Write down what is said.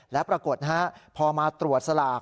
และปรากฏพอมาตรวจสลาก